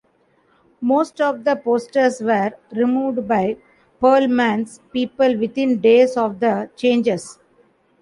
Most of the posters were removed by Pearlman's people within days of the changes.